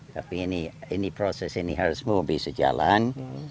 tapi ini proses ini harus semua bisa jalan